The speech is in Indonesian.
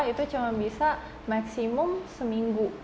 itu cuma bisa maksimum seminggu